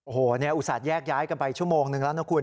โอ้โฮอุตสาธิตแยกย้ายกันไป๑ชั่วโมงแล้วนะคุณ